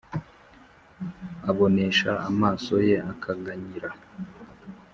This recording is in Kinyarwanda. abonesha amaso ye akaganyira,